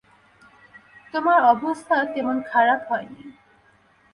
তোমার অবস্থা তেমন খারাপ হয় নি।